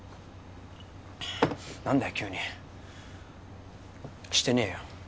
何だよ急にしてねえよ